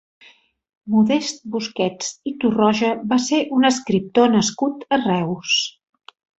Modest Busquets i Torroja va ser un escriptor nascut a Reus.